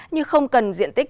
nhưng không cần diện tích